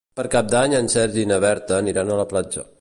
Per Cap d'Any en Sergi i na Berta aniran a la platja.